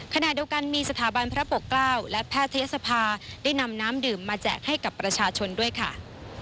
ขณะเดียวกันมีสถาบันพระปกเกล้าและแพทยศภาได้นำน้ำดื่มมาแจกให้กับประชาชนด้วยค่ะ